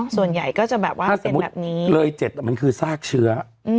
ส่วนใหญ่ก็จะแบบว่าเป็นแบบนี้ถ้าสมมุติเลย๗มันคือซากเชื้อ